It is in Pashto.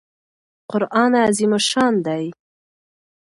قران عظیم الشان دئ.